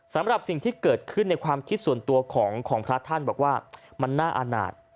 สำหรับสิ่งที่เกิดขึ้นในความคิดส่วนตัวของพระท่านบอกว่ามันน่าอาณาจ